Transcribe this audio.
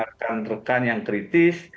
rekan rekan yang kritis